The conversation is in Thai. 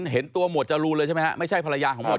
เห็นตัวหมวดจรูลเลยใช่ไหม